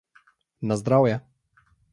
Na zdravje!